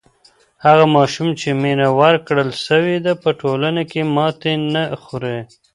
هغه ماشوم چې مینه ورکړل سوې ده په ټولنه کې ماتی نه خوری.